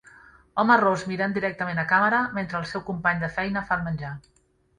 Home ros mirant directament a càmera mentre el seu company de feina fa el menjar.